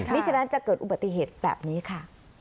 ฉะนั้นจะเกิดอุบัติเหตุแบบนี้ค่ะ